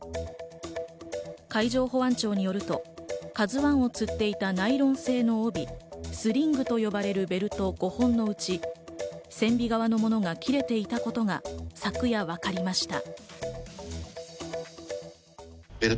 海上保安庁によると「ＫＡＺＵ１」を吊っていたナイロン製の帯、スリングと呼ばれるベルト５本のうち、船尾側のものが切れていたことが昨夜、分かりました。